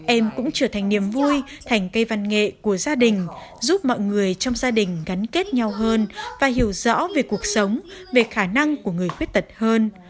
em cũng trở thành niềm vui thành cây văn nghệ của gia đình giúp mọi người trong gia đình gắn kết nhau hơn và hiểu rõ về cuộc sống về khả năng của người khuyết tật hơn